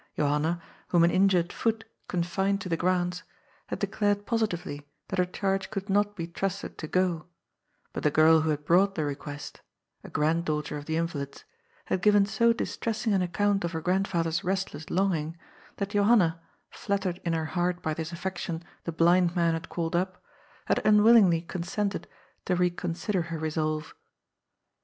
Johanna, whom an injured foot confined to the grounds, had declared positively that her charge could not be trusted to go, but the girl who had brought the request — a granddaughter of the invalid's — had given so distressing an account of her grandfather's restless longing, that Johanna, flattered in her heart by this affec tion the blind man had called up, had unwillingly con sented to reconsider her resolve.